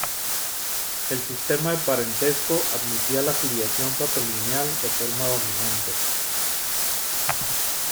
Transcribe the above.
El sistema de parentesco admitía la filiación patrilineal de forma dominante.